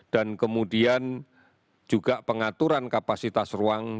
dan kemudian juga pengaturan kapasitas ruang